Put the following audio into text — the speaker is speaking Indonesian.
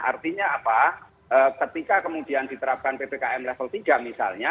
artinya apa ketika kemudian diterapkan ppkm level tiga misalnya